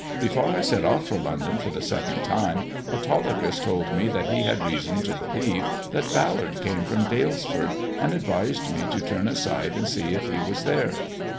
Before I set off for London for the second time, Autolycus told me that he had reason to believe that Bal lard came from Dalesford, and advised me to turn aside and see if he was there."